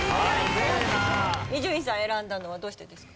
伊集院さん選んだのはどうしてですか？